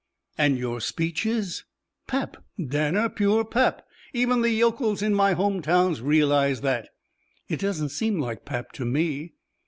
"And your speeches?" "Pap, Danner, pure pap. Even the yokels in my home towns realize that." "It doesn't seem like pap to me."